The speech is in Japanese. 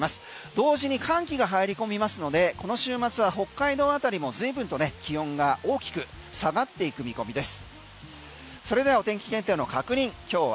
同時に寒気が入り込みますのでこの週末は北海道辺りも随分と気温が大きく下がっていく見込みです。